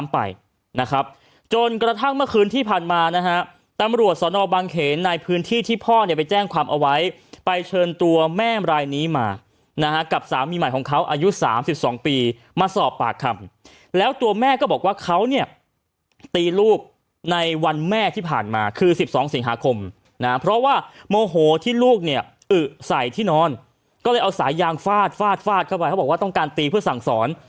ฟาดฟาดฟาดเข้าไปเขาบอกว่าต้องการตีเพื่อสั่งสอน